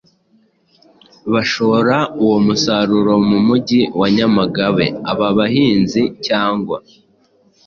bashora uwo musaruro mu mujyi wa Nyamagabe.Aba bahinzi cyangwa